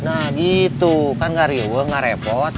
nah gitu kan gak riwel gak repot